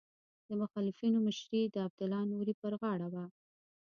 د مخالفینو مشري د عبدالله نوري پر غاړه وه.